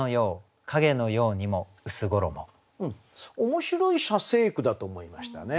面白い写生句だと思いましたね。